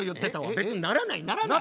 別にならないならない。